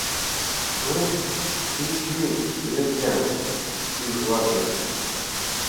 — Ну, чи-чи, лек-ян тӱжваке!